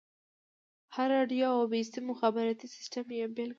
هره راډيو او بيسيم مخابراتي سيسټم يې بېلګه ده.